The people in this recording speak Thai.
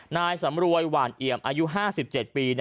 นายสำรวยหวานเอี่ยมอายุ๕๗ปี